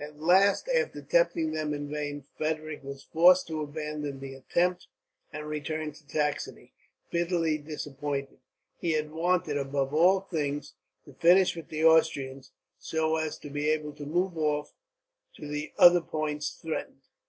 At last, after tempting them in vain, Frederick was forced to abandon the attempt and return to Saxony, bitterly disappointed. He had wanted, above all things, to finish with the Austrians; so as to be able to move off to the other points threatened.